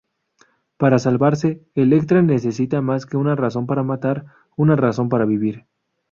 Para salvarse, Elektra necesita más que una razón para matar... una razón para vivir.